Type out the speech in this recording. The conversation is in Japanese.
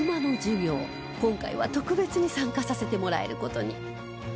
今回は特別に参加させてもらえる事に